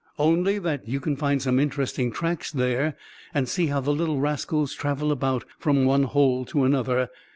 "Only that you can find some interesting tracks there, and see how the little rascals travel about from one hole to another.